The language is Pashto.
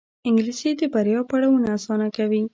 انګلیسي د بریا پړاوونه اسانه کوي